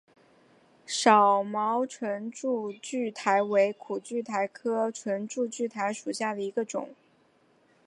少毛唇柱苣苔为苦苣苔科唇柱苣苔属下的一个种。